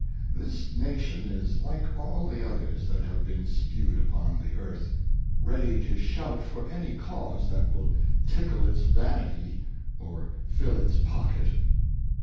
This nation is like all the others that have been spewed upon the earth — ready to shout for any cause that will tidde its vanity or fill its pocket.